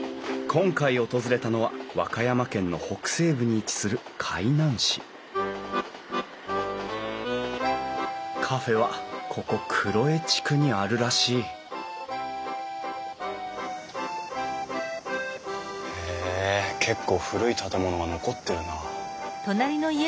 今回訪れたのは和歌山県の北西部に位置する海南市カフェはここ黒江地区にあるらしいへえ結構古い建物が残ってるな。